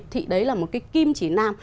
thì đấy là một cái kim chỉ nam